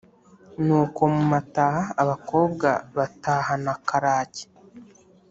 Nuko mu mataha, abakobwa batahana Karake